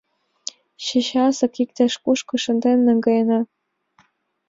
Чечасак иктаж-кушко шынден наҥгаена.